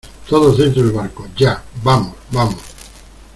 todos dentro del barco, ¡ ya! ¡ vamos , vamos !